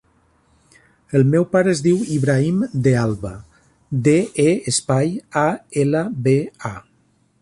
El meu pare es diu Ibrahim De Alba: de, e, espai, a, ela, be, a.